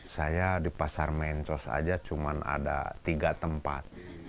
saya di pasar mencos saja cuma ada tiga tempat